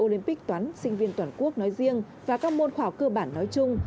olympic toán sinh viên toàn quốc nói riêng và các môn khảo cơ bản nói chung